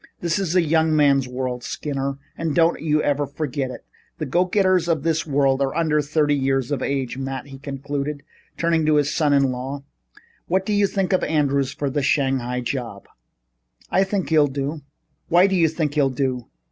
This is a young man's world, Skinner, and don't you ever forget it. The go getters of this world are under thirty years of age. Matt," he concluded, turning to his son in law, "what do you think of Andrews for that Shanghai job?" "I think he'll do." "Why do you think he'll do?"